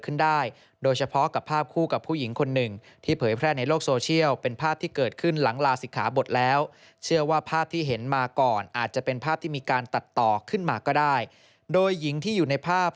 ขอบคุณสื่อทุกคนครับขอบคุณครับ